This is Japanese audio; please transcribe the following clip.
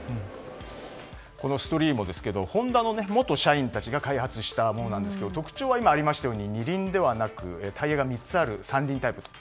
このストリーモですけどホンダの元社員たちが開発したものなんですけども特徴は二輪ではなくタイヤが３つある三輪タイプと。